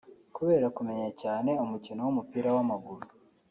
Kubera kumenya cyane umukino w’umupirawamaguru